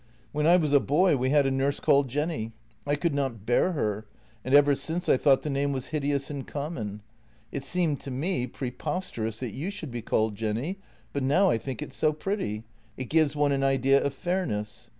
When I was a boy we had a nurse called Jenny; I could not bear her, and ever since I thought the name was hideous and common. It seemed to me preposterous that you should be called Jenny, but now I think it so pretty; it gives one an idea of fairness.